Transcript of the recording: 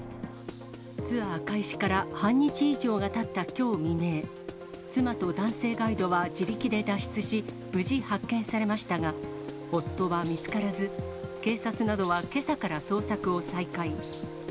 ツアー開始から半日以上がたったきょう未明、妻と男性ガイドは自力で脱出し、無事、発見されましたが、夫は見つからず、警察などはけさから捜索を再開。